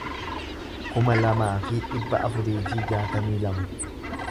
kuma lamaa fi dhibba afurii fi jaatamii lama